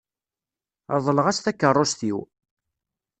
Reḍleɣ-as takeṛṛust-iw.